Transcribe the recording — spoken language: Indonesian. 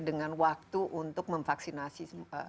dengan waktu untuk memvaksinasi